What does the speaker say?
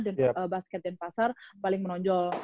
dan basket denpasar paling menonjol